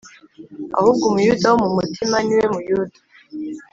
Ahubwo Umuyuda wo mu mutima ni we Muyuda